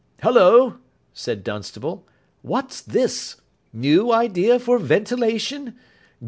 "Hullo!" said Dunstable, "what's this? New idea for ventilation?